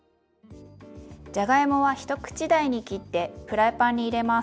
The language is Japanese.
じゃがいもは一口大に切ってフライパンに入れます。